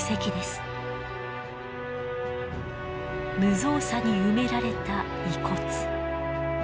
無造作に埋められた遺骨。